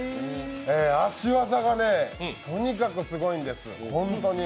足技がとにかくすごいんです、本当に。